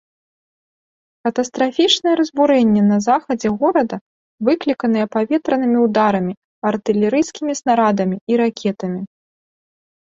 Катастрафічныя разбурэння на захадзе горада выкліканыя паветранымі ўдарамі, артылерыйскімі снарадамі і ракетамі.